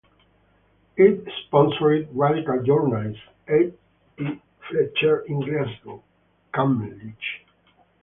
It sponsored radical journalist A. E. Fletcher in Glasgow Camlachie.